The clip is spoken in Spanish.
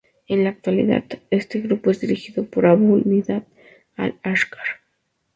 En la actualidad, este grupo es dirigido por Abu Nidal al-Ashqar.